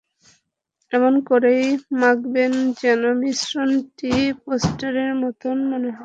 এমন করেই মাখবেন যেন মিশ্রণটি পেস্টের মতো হয়ে যায়।